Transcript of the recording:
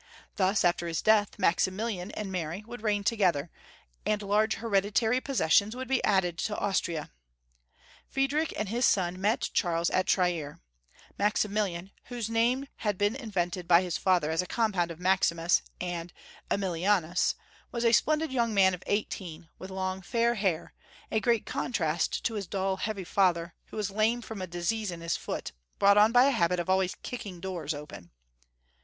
Thus, after his death, Maximilian and Mary would reign together, and large hereditary possessions would be added to Austria. Friedrich and his son met Charles at Trier. Maximilian, whose name had been invented by his father as a compound of Maximus and ^milianus, was a splendid young man of eighteen, with long, fair hair, a great contrast to his dull, heavy father, who was lame from a disease in his foot, brought on by a habit of always kicking doors open.